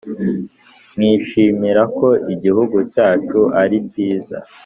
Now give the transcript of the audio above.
nkishimira ko igihugu cyacu ari kiza